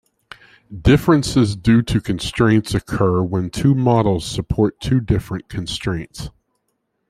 Differences due to constraints occur when two models support two different constraints.